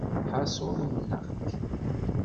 Lḥaṣul, umneɣ-k.